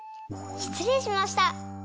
しつれいしました！